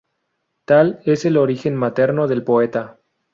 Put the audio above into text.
Tal es el origen materno del poeta.